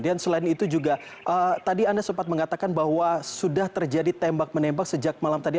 dan selain itu juga tadi anda sempat mengatakan bahwa sudah terjadi tembak menembak sejak malam tadi